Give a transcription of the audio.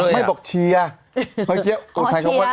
ไม่บอกเชียร์